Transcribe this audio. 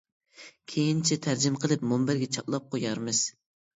كېيىنچە تەرجىمە قىلىپ مۇنبەرگە چاپلاپ قويارمىز.